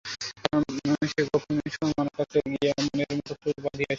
সে গোপনে সুরমার কাছে গিয়া মনের মতো চুল বাঁধিয়া আসিল।